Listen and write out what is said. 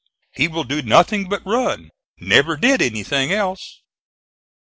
He will do nothing but run; never did anything else."